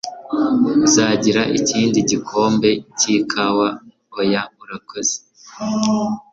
Uzagira ikindi gikombe cy'ikawa? Oya urakoze